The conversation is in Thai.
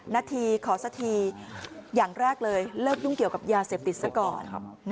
นาทีขอสักทีอย่างแรกเลยเลิกยุ่งเกี่ยวกับยาเสพติดซะก่อน